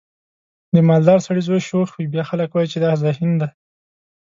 د مالدار سړي زوی شوخ وي بیا خلک وایي چې دا ذهین دی.